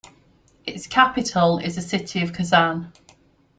Its capital is the city of Kazan.